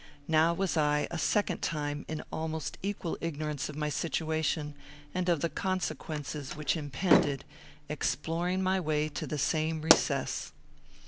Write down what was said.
Now was I, a second time, in almost equal ignorance of my situation, and of the consequences which impended, exploring my way to the same recess.